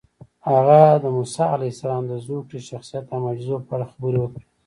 هغه د موسی علیه السلام د زوکړې، شخصیت او معجزو په اړه خبرې وکړې.